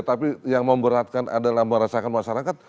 tapi yang memberatkan adalah merasakan masyarakat